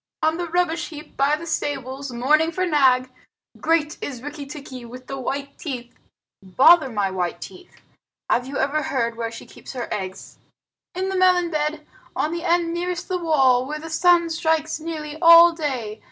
"On the rubbish heap by the stables, mourning for Nag. Great is Rikki tikki with the white teeth." "Bother my white teeth! Have you ever heard where she keeps her eggs?" "In the melon bed, on the end nearest the wall, where the sun strikes nearly all day.